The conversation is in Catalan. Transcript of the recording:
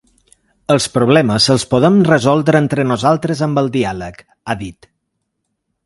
Els problemes els podem resoldre entre nosaltres amb el diàleg, ha dit.